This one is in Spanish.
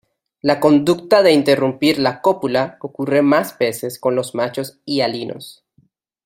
La conducta de interrumpir la cópula ocurre más veces con los machos hialinos.